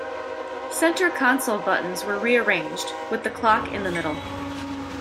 Center console buttons were rearranged, with the clock in the middle.